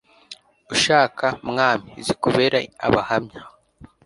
ushaka, mwami, zikubere abahamya